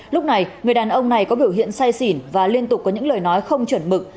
lúc này người đàn ông này có biểu hiện say xỉn và liên tục có những lời nói không chuẩn mực